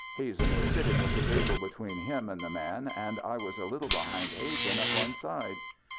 Hazen was sitting with the table between him and the man and I was a little behind Hazen at one side.